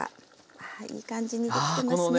ああいい感じにできてますね。